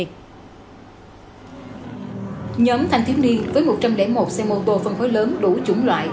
nhóm thanh thiếu niên với một trăm linh một xe mô tô phân khối lớn đủ chủng loại